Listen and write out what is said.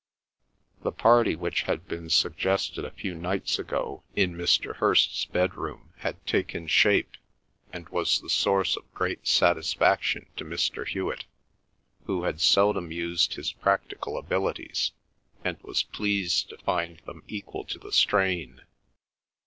The party which had been suggested a few nights ago in Mr. Hirst's bedroom had taken shape and was the source of great satisfaction to Mr. Hewet, who had seldom used his practical abilities, and was pleased to find them equal to the strain.